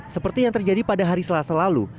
seperti yang terjadi pada hari selasa lalu